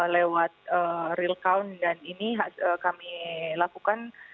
lewat real count dan ini kami lakukan